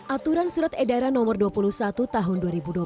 aturan surat edaran nomor dua puluh satu tahun dua ribu dua puluh